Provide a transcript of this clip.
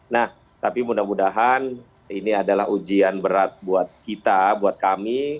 nah tapi mudah mudahan ini adalah ujian berat buat kita buat kami